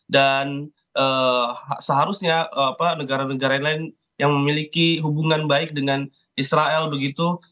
dan seharusnya negara negara lain yang memiliki hubungan baik dengan israel begitu